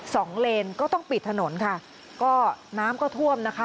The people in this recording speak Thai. เลนก็ต้องปิดถนนค่ะก็น้ำก็ท่วมนะคะ